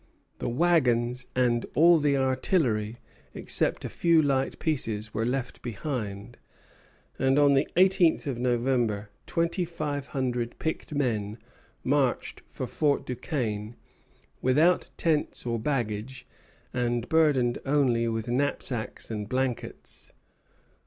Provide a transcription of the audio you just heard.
The wagons and all the artillery, except a few light pieces, were left behind; and on the eighteenth of November twenty five hundred picked men marched for Fort Duquesne, without tents or baggage, and burdened only with knapsacks and blankets.